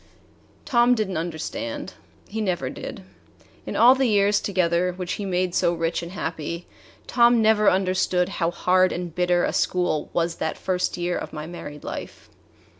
Tom did n't understand. He never did. In all the years together, which he made so rich and happy, Tom never understood how hard and bitter a school was that first year of my married life.